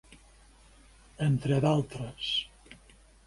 entre d'altres.